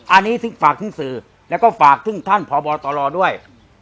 อันนี้ฝากถึงสื่อแล้วก็ฝากถึงท่านพบตรด้วย